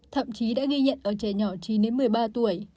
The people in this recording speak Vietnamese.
thậm chí đã ghi nhận ở trẻ nhỏ chín một mươi ba tuổi